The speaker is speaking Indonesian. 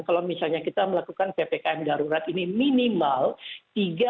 kalau misalnya kita melakukan ppkm darurat ini minimal tiga